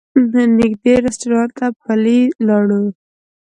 نږدې رسټورانټ ته پلي لاړو.